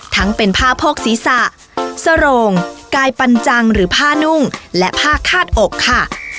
ทั้งเป็นผ้าโพกศีรษะสโรงกายปัญจังหรือผ้านุ่งและผ้าคาดอกค่ะ